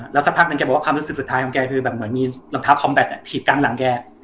แล้วสักพักหนึ่งแกบอกว่าความรู้สึกสุดท้ายของแกคือแบบเหมือนมีรองเท้าคอมแบ็คถีบกลางหลังแก